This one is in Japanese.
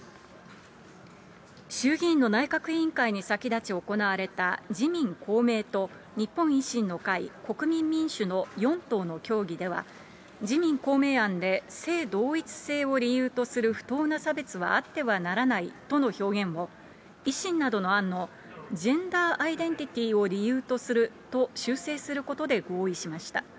衆議院の内閣委員会に先立ち行われた、自民、公明と日本維新の会、国民民主の４党の協議では、自民、公明案で、性同一性を理由とする不当な差別はあってはならないとの表現を、維新などの案の、ジェンダーアイデンティティを理由とすると修正することで合意しました。